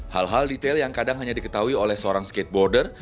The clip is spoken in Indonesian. hal hal detail yang kadang hanya diketahui oleh seorang skateboarder